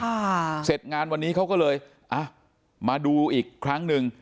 เมื่อการเก็บงานเขาก็เลยมาดูอีกครั้งหนึ่ง